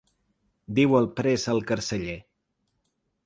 Diu el pres al carceller.